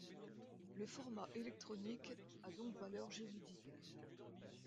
Le format électronique a donc valeur juridique.